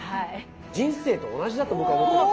人生と同じだと僕は思ってます。